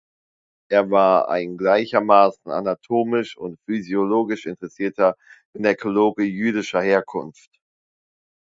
Er war ein gleichermaßen anatomisch und physiologisch interessierter Gynäkologe jüdischer Herkunft.